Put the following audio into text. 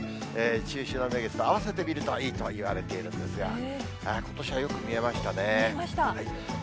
中秋の名月と合わせて見るといいと言われているんですが、見えました。